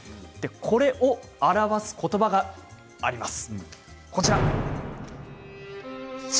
これを表す言葉があります。